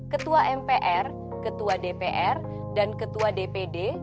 ketua mpr ketua dpr dan ketua dpd